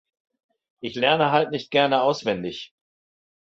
Ich lerne halt nicht gerne auswendig.